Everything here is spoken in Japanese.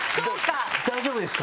「大丈夫ですか？」